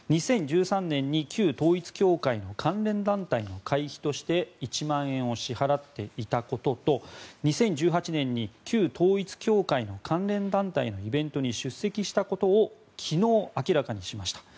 ２０１３年に旧統一教会の関連団体に会費として１万円を支払っていたことと２０１８年に旧統一教会の関連団体のイベントに出席したことを昨日、明らかにしました。